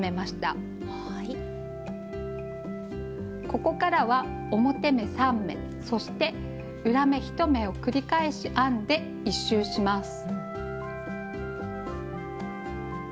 ここからは表目３目そして裏目１目を繰り返し編んで１周します。